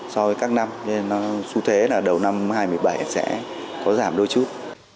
so với các năm nên xu thế là đầu năm hai nghìn một mươi bảy sẽ có giảm đôi chút